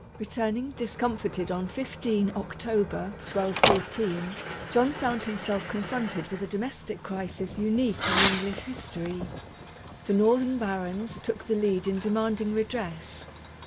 Returning, discomfited, on 15 October, 1214, John found himself confronted with a domestic crisis unique in English history. The northern barons took the lead in demanding redress.